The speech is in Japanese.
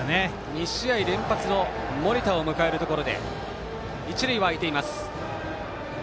２試合連発の森田を迎えるところで一塁はあいています。